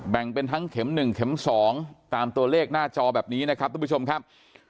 แบ่งเป็นทั้งเข็ม๑เข็ม๒ตามตัวเลขหน้าจอแบบนี้นะครับทุกผู้ชมครับ